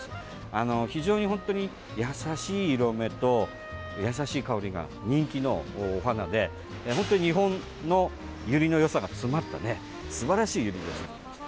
あの非常に、本当に優しい色目と優しい香りが人気のお花で本当に日本のユリの良さが詰まったね、すばらしいユリです。